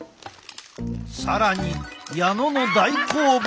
更に矢野の大好物。